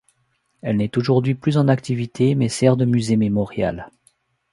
Elle n’est aujourd’hui plus en activité mais sert de musée mémorial.